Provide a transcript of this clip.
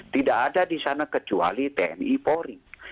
tidak ada di sana kecuali tni polri